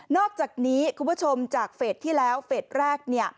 อกจากนี้คุณผู้ชมจากเฟสที่แล้วเฟสแรก